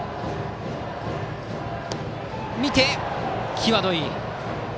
際どい。